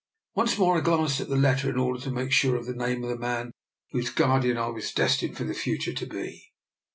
Once more I glanced at the letter, in order to make sure of the name of the man whose guardian I was destined for the future to be.